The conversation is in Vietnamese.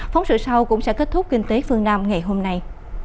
phóng sự sau cũng sẽ kết thúc kinh tế phương nam ngày hôm nay